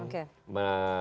dan sangat bijak dalam